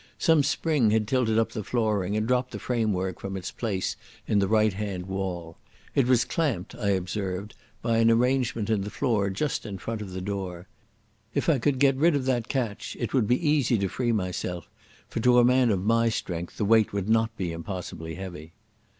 Some spring had tilted up the flooring, and dropped the framework from its place in the right hand wall. It was clamped, I observed, by an arrangement in the floor just in front of the door. If I could get rid of that catch it would be easy to free myself, for to a man of my strength the weight would not be impossibly heavy.